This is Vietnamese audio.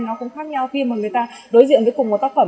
nó cũng khác nhau khi mà người ta đối diện với cùng một tác phẩm